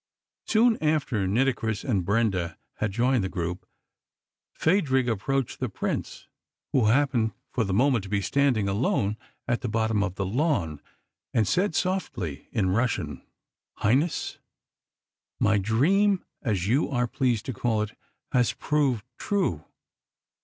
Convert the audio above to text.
Soon after Nitocris and Brenda had joined the group, Phadrig approached the Prince, who happened for the moment to be standing alone at the bottom of the lawn, and said softly in Russian: "Highness, my dream, as you are pleased to call it, has proved true.